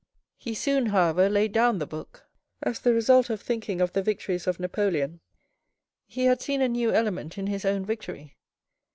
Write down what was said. He soon, however, laid down the book. As the result of thinking of the victories of Napoleon, he had seen a new element in his own victory.